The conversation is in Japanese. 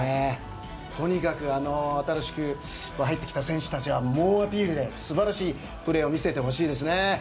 とにかく新しく入ってきた選手たちは猛アピールで素晴らしいプレーを見せてほしいですね。